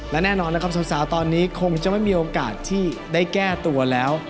และแน่นอนนะครับสาวตอนนี้คงจะไม่มีโอกาสที่ได้แก้ตัวแล้ว